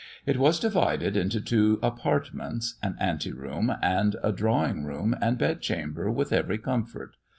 It was divided into two apartments, an anti room, and a drawing room and bed chamber with every comfort.